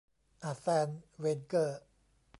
อาร์แซน เวนเกอร์